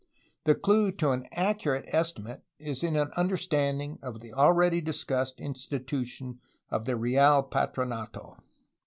The clue to an accurate estimate is in an understanding of the already dis cussed institution of the Real Patronato.